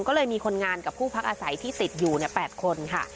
ก็เลยมีคนงานกับผู้พักอาศัยที่ติดอยู่๘คนค่ะ